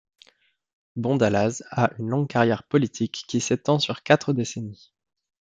Bondallaz a une longue carrière politique qui s’étend sur quatre décennies.